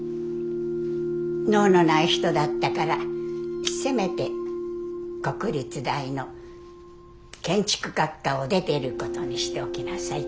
能のない人だったからせめて国立大の建築学科を出てることにしておきなさいって。